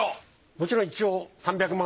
もちろん一応３００万。